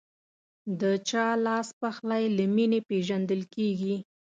د چا لاسپخلی له مینې پیژندل کېږي.